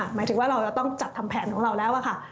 หมายถึงว่าเราจะต้องจัดทำแผนของเราแล้วค่ะ